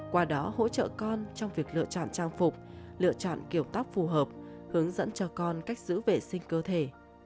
qua đó hỗ trợ con trong việc lựa chọn trang phục lựa chọn kiểu tóc phù hợp hướng dẫn cho con cách giữ vệ sinh cơ thể